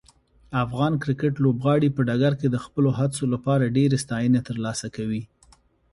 افغان کرکټ لوبغاړي په ډګر کې د خپلو هڅو لپاره ډیرې ستاینې ترلاسه کوي.